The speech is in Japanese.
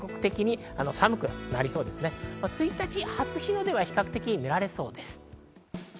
１日、初日の出は比較的見られそうです。